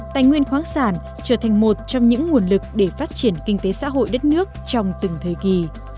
tài nguyên khoáng sản trở thành một trong những nguồn lực để phát triển kinh tế xã hội đất nước trong từng thời kỳ